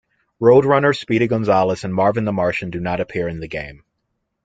Road Runner, Speedy Gonzales and Marvin the Martian do not appear in the game.